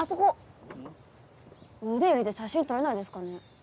腕入れて写真撮れないですかね？